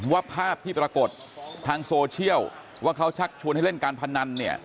ว่าภาพที่ปรากฏทางโซเชียลว่าเขาชักชวนให้เล่นการพนันเนี่ย